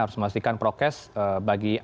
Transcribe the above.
harus memastikan prokes bagi